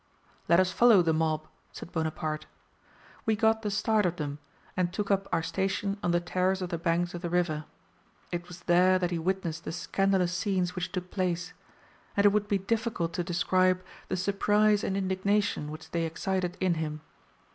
"Let us follow the mob," said Bonaparte. We got the start of them, and took up our station on the terrace of the banks of the river. It was there that he witnessed the scandalous scenes which took place; and it would be difficult to describe the surprise and indignation which they excited in him.